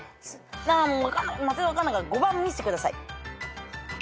マジで分かんないから５番見せてください。